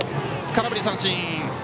空振り三振。